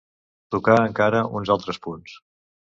Tocà encara uns altres punts.